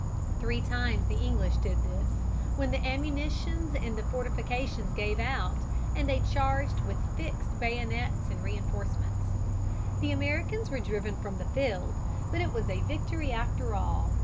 Three times the English did this, when the ammunition in the fortifications gave out, and they charged with fixed bayonets and reinforcements. The Americans were driven from the field, but it was a victory after all.